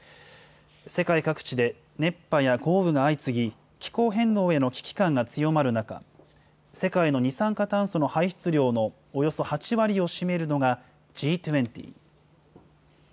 世界各地で熱波や豪雨が相次ぎ、気候変動への危機感が強まる中、世界の二酸化炭素の排出量のおよそ８割を占めるのが、Ｇ２０。